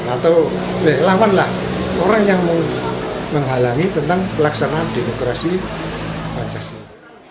atau lawanlah orang yang menghalangi tentang pelaksanaan demokrasi pancasila